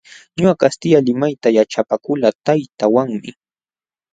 Ñuqa kastilla limayta yaćhapakulqaa taytaawanmi.